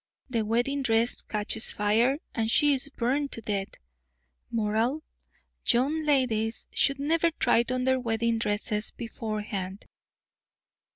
The wedding dress catches fire, and she is burned to death. Moral: young ladies should never try on their wedding dresses beforehand."